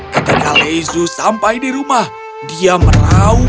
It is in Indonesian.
ketika lezu sampai di rumah dia merau